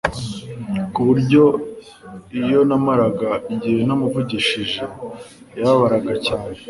kuburyo iyo namaraga igihe ntamuvugishije yababaraga cyane